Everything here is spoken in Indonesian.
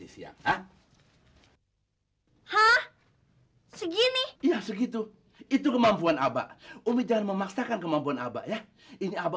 segini itu kemampuan aba umidara memaksakan kemampuan aba ya ini aba